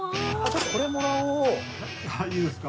これもらおう。